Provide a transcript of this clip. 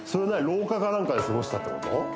廊下か何かで過ごしたってこと？